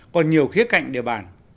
còn nhiều khía cạnh để bàn